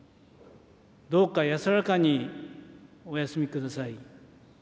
どうか安らかにお休みください。